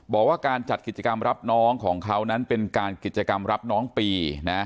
บอกว่าการจัดกิจกรรมรับน้องของเขานั้นเป็นการกิจกรรมรับน้องปีนะ